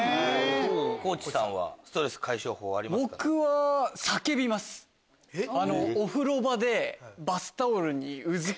地さんはストレス解消法ありますか？